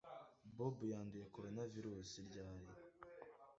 Bob yanduye Coronavirus ryari